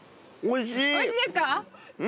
おいしいですか！